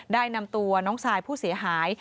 ได้นำตัวน้องชายผู้เสียหาย